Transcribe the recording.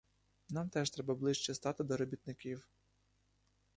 Нам теж треба ближче стати до робітників.